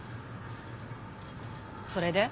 それで？